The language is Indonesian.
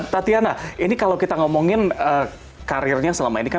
tatiana ini kalau kita ngomongin karirnya selama ini kan lebih banyak memberanikan kan